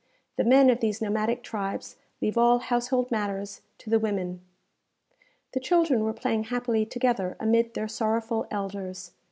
The men of these nomadic tribes leave all household matters to the women. The children were playing happily together amid their sorrowful elders.